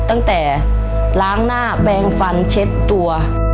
ตั้งแต่ล้างหน้าแปลงฟันเช็ดตัว